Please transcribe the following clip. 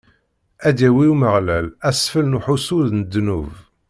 Ad d-yawi i Umeɣlal asfel n uḥussu n ddnub.